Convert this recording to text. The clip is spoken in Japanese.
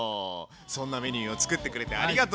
そんなメニューをつくってくれてありがとう！